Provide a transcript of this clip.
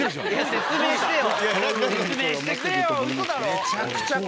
説明してよ！